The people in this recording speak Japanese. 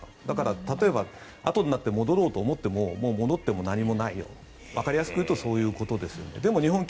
だから例えば、あとになって戻ろうと思ってももう戻っても何もないわかりやすく言うとそういうことですね。